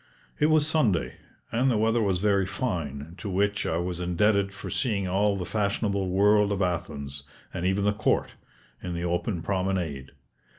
It was Sunday, and the weather was very fine, to which I was indebted for seeing all the fashionable world of Athens, and even the Court, in the open promenade.